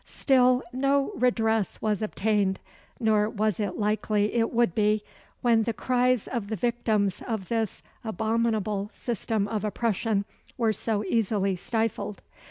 Still no redress was obtained; nor was it likely it would be, when the cries of the victims of this abominable system of oppression were so easily stifled.